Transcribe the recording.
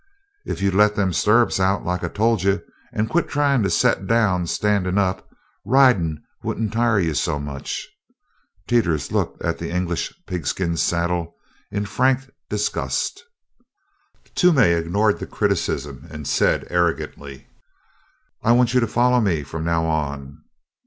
"If you'd let them sturrups out like I told you and quit tryin' to set down standin' up, ridin' wouldn't tire you so much." Teeters looked at the English pigskin saddle in frank disgust. Toomey ignored the criticism and said arrogantly: "I want you to follow me from now on."